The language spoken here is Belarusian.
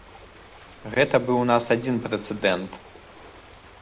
Гэта быў у нас адзін прэцэдэнт.